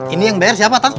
ini yang bayar siapa tau